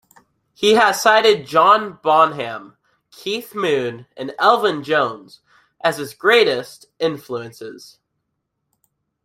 He has cited John Bonham, Keith Moon, and Elvin Jones as his greatest influences.